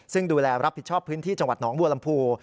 ซึ่งดูแลรับผิดชอบพื้นที่จังหวัดหนองบัวลำพู